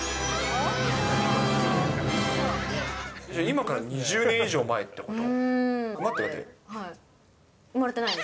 今から２０年以上前ってこと。